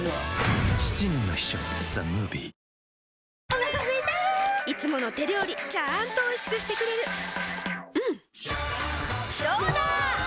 お腹すいたいつもの手料理ちゃんとおいしくしてくれるジューうんどうだわ！